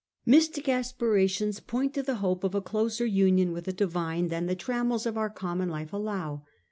Mystic aspirations point to the hope of a closer union with the Divine than the trammels of our common life allow.